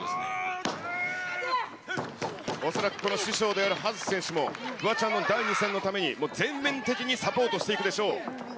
恐らく、この師匠である葉月選手も、フワちゃんの第２戦のために、もう全面的にサポートしていくでしょう。